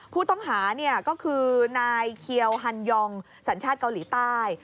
ผู้ต้องหาก็คือนายเคียวฮันยองสัญชาติเกาหลีใต้